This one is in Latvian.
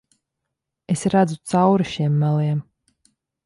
Es redzu cauri šiem meliem.